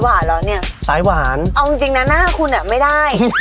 เป็นสายหวานหรือเนี่ยอ๋อจริงนะหน้าคุณอ่ะไม่ได้